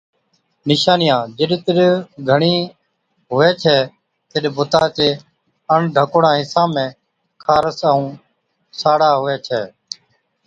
نِشانِيان، جِڏ ٿڌ گھڻِي هُوَي ڇَي تِڏ بُتا چي اڻ ڍڪوڙان حِصان ۾ خارس ائُون ساڙا هُوَي ڇَ۔